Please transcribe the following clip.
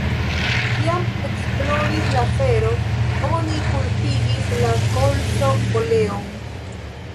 Kiam eksplodis la afero, oni kulpigis la kolzo-oleon.